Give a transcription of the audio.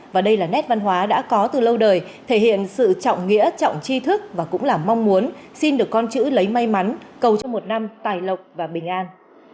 và đây là nét văn hóa đã có từ lâu đời thể hiện sự trọng nghĩa trọng chi thức và cũng là mong muốn xin được con chữ lấy may mắn cầu cho một năm tài lộc và bình an